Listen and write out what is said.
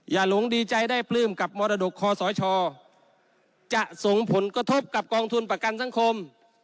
หลงดีใจได้ปลื้มกับมรดกคอสชจะส่งผลกระทบกับกองทุนประกันสังคม